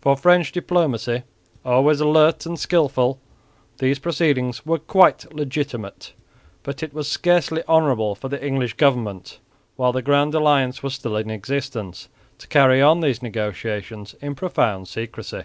For French diplomacy, always alert and skilful, these proceedings were quite legitimate; but it was scarcely honourable for the English government, while the Grand Alliance was still in existence, to carry on these negotiations in profound secrecy.